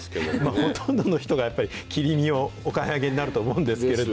ほとんどの人が切り身をお買い上げになると思うんですけど。